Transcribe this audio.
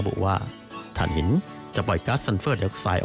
ที่ของโรงไฟฟ้าทั้ง๒แห่งระบุว่า